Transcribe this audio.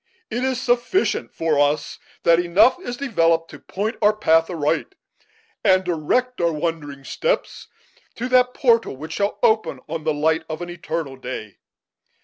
It is sufficient for us that enough is developed to point our path aright, and to direct our wandering steps to that portal which shall open on the light of an eternal day.